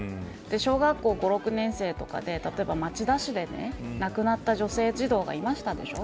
小学校５、６年生とかで例えば町田市で亡くなった女性児童がいましたでしょ。